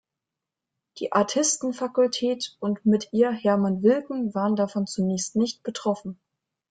Die Artistenfakultät und mit ihr Hermann Wilken waren davon zunächst nicht betroffen.